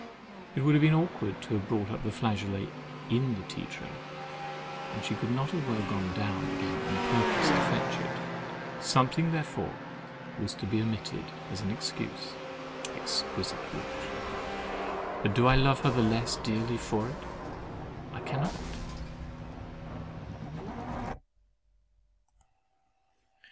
It would have been awkward to have brought up the flageolet in the tea tray and she could not have well gone down again on purpose to fetch it. Something, therefore, was to be omitted as an excuse. Exquisite witch! But do I love her the less dearly for it? I cannot.